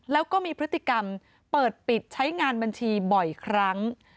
แล้วก็มีพฤติกรรมเปิดปิดใช้งานบัญชีบ่อยครั้ง